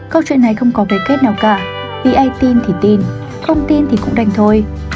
câu chuyện này không có bề kết nào cả vì ai tin thì tin không tin thì cũng đành thôi